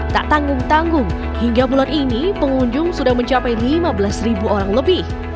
tak tanggung tanggung hingga bulan ini pengunjung sudah mencapai lima belas ribu orang lebih